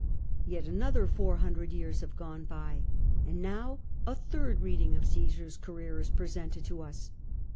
Yet another four hundred years have gone by, and now a third reading of Omsar's career is prcHcuied to us.